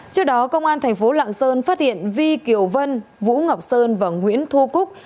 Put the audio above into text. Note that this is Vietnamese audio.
trước đó công an tp lạng sơn phát hiện vi kiều vân vũ ngọc sơn và nguyễn thu cúc